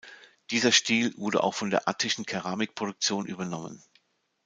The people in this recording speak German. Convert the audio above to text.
Dieser Stil wurde auch von der attischen Keramikproduktion übernommen.